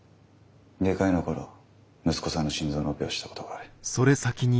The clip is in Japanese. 外科医の頃息子さんの心臓のオペをしたことがある。